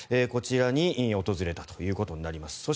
こちらに訪れたということになります。